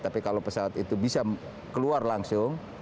tapi kalau pesawat itu bisa keluar langsung